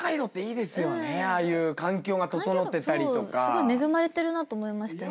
すごい恵まれてるなと思いましたね。